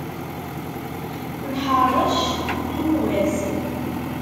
Nḥeṛṛec lemwas.